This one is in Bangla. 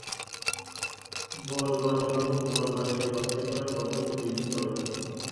বল বালক এবং বল বালিকা বাছাই করার পদ্ধতি বিভিন্ন রকম।